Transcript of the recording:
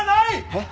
えっ？